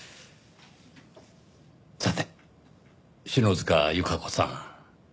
さて篠塚由香子さん。